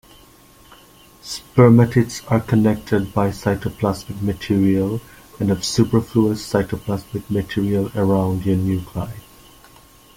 Spermatids are connected by cytoplasmic material and have superfluous cytoplasmic material around their nuclei.